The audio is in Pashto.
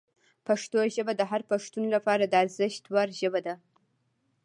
پښتو ژبه د هر پښتون لپاره د ارزښت وړ ژبه ده.